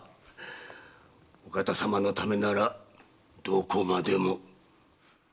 お方様のためならどこまでも。